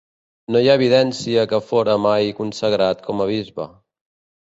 No hi ha evidència que fóra mai consagrat com a bisbe.